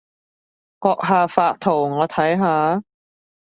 閣下發圖我睇下